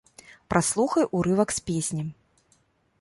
Праслухай урывак з песні.